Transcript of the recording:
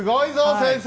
先生